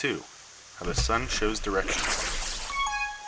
HOW THE SUN SHOWS DIRECTION.